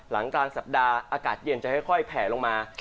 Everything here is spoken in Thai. หลังกลางสัปดาห์อากาศเย็นจะค่อยแผลลงมา